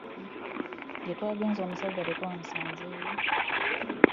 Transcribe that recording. Gye twagenze omusajja tetwamusanzeeyo.